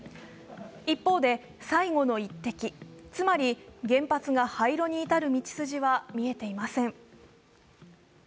一方で最後の一滴、つまり原発が廃炉に至る道筋は見えていません。